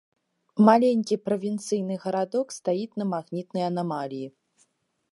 Маленькі правінцыйны гарадок стаіць на магнітнай анамаліі.